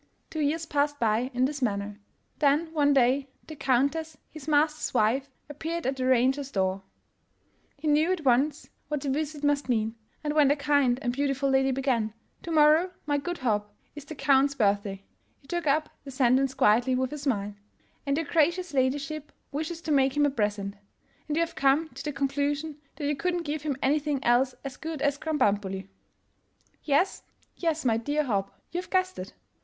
Two years passed by in this manner. Then, one day, the Countess, his master's wife, appeared at the ranger's door. He knew at once what the visit must mean; and when the kind and beautiful lady began " Tomorrow, my good Hopp, is the Count's birthday — " he took up the sen tence quietly with a smile: "And your gracious ladyship wishes to make him a present — and you have come to the conclusion that you couldn't give him anything else as good as — Krambambuli! "" Yes, yes, my dear Hopp — you've guessed it!